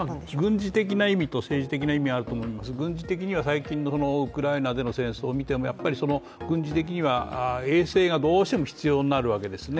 軍事的な意味と政治的な意味あるんですけど、軍事的にはウクライナでの戦争を見ても軍事的には衛星がどうしても必要になるわけですね。